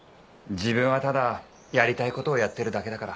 自分はただやりたい事をやってるだけだから。